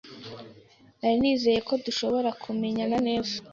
Nari nizeye ko dushobora kumenyana neza.